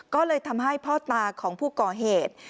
ก็เลยทำให้พ่อตาของผู้ก่อเหตุ